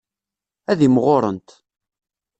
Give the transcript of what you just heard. Ad imɣurent.